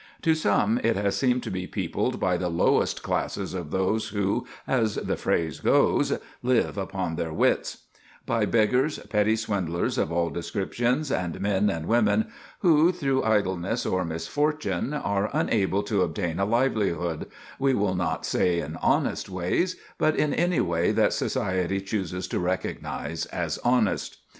To some it has seemed to be peopled by the lowest classes of those who, as the phrase goes, live upon their wits; by beggars, petty swindlers of all descriptions, and men and women who, through idleness or misfortune, are unable to obtain a livelihood, we will not say in honest ways, but in any way that society chooses to recognize as honest.